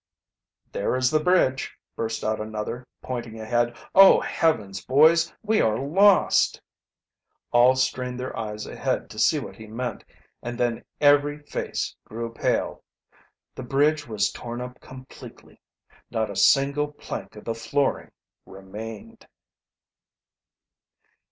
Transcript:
"There is the bridge!" burst out another, pointing ahead. "Oh, Heavens, boys, we are lost!" All strained their eyes ahead to see what he meant, and then every face grew pale. The bridge was torn up completely, not a single plank of the flooring remained.